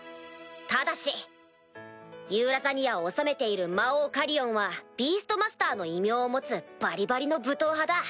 ただしユーラザニアを治めている魔王カリオンはビーストマスターの異名を持つバリバリの武闘派だ。